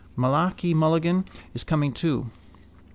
Malachi Mulligan is coming too.